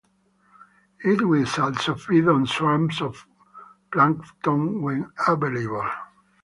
It will also feed on swarms of plankton when available.